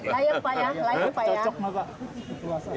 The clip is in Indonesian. lagi pak ya lagi pak ya